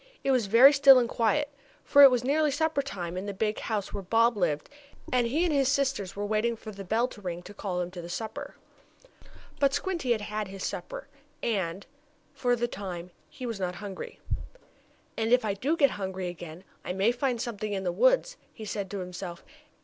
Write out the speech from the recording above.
It was very still and quiet, for it was nearly supper time in the big house where Bob lived, and he and his sisters were waiting for the bell to ring to call them to the table. But Squinty had had his supper, and, for the time, he was not hungry. "And if I do get hungry again, I may find something in the woods," he said to himself.